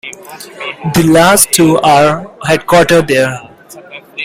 The last two are headquartered there.